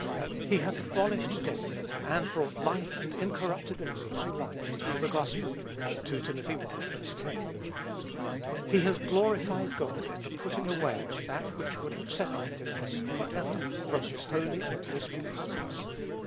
"He hath abolished death, and brought life and incorruptibility to light, through the gospel." (2 Tim. i. 10.) He has glorified God in the putting away of that which would have separated us, forever, from his holy and blissful presence.